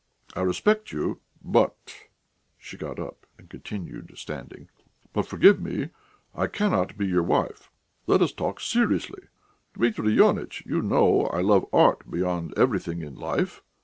I respect you, but ..." she got up and continued standing, "but, forgive me, I cannot be your wife. Let us talk seriously. Dmitri Ionitch, you know I love art beyond everything in life.